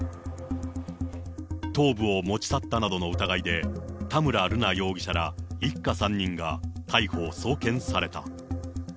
頭部を持ち去ったなどの疑いで、田村瑠奈容疑者ら一家３人が逮捕・送検された。